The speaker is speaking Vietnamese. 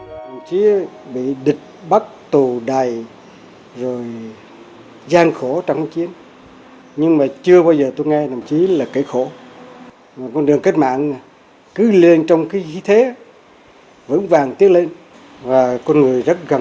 trong thời gian bị tù đầy bị giam giữ trong điều kiện hà khắc thực dân pháp tra tấn vô cùng dã man